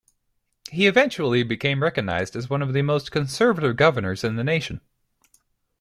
He eventually became recognized as one of the most conservative governors in the nation.